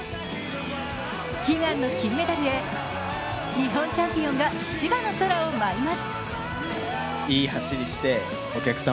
悲願の金メダルへ、日本チャンピオンが千葉の空を舞います。